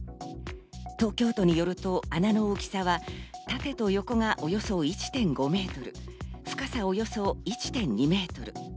東京都によると穴の大きさは縦と横がおよそ１．５メートル、深さおよそ１．２メートル。